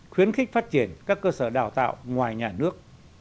khuyến khích phát triển các cơ sở đào tạo ngoài nhà nước